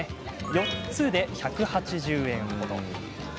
４つで１８０円程。